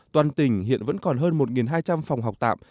toàn tỉnh hiện vẫn còn hơn một hai trăm linh phòng học tạm